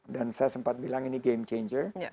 dan saya sempat bilang ini game changer